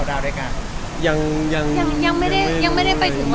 ยังยังไม่ได้ไปถึงวันนั้นค่ะ